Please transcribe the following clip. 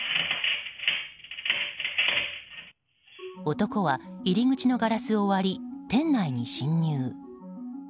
男は、入り口のガラスを割り店内に侵入。